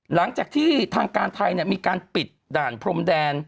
หลังจากที่ทางการไทยมีการปิดด่านพรมแดน